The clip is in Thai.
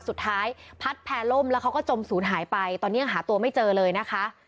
สุดท้ายพัดแพร่ล่มแล้วเขาก็จมศูนย์หายไปตอนนี้ยังหาตัวไม่เจอเลยนะคะ